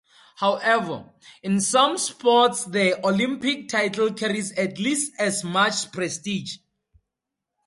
However, in some sports the Olympic title carries at least as much prestige.